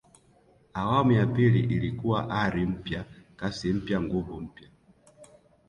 awamu ya pili ilikuwa ari mpya kasi mpya nguvu mpya